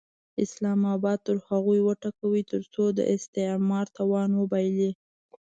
اسلام اباد تر هغو وټکوئ ترڅو د استثمار توان وبایلي.